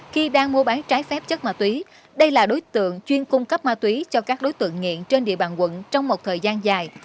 khi đang mua bán trái phép chất ma túy đây là đối tượng chuyên cung cấp ma túy cho các đối tượng nghiện trên địa bàn quận trong một thời gian dài